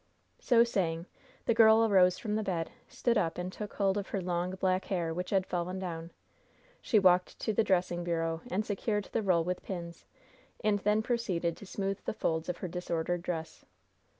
So saying, the girl arose from the bed, stood up and took hold of her long, black hair, which had fallen down. She walked to the dressing bureau and secured the roll with pins, and then proceeded to smooth the folds of her disordered dress.